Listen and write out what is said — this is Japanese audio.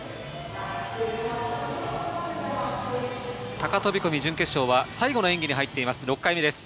高飛込・準決勝は最後の演技に入っています。